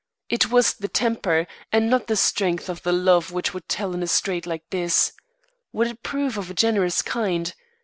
It was the temper and not the strength of the love which would tell in a strait like this. Would it prove of a generous kind?